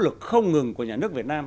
nỗ lực không ngừng của nhà nước việt nam